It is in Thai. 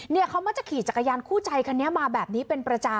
เนี่ยเค้ามาจะขี่จักรยานคู่ใจฮะเนี่ยมาแบบนี้เป็นประจำ